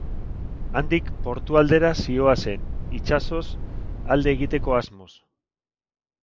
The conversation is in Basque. Handik portu aldera zihoazen, itsasoz alde egiteko asmoz.